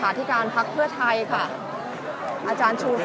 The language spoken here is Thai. และที่อยู่ด้านหลังคุณยิ่งรักนะคะก็คือนางสาวคัตยาสวัสดีผลนะคะ